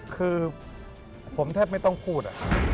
คือผมแทบไม่ต้องพูด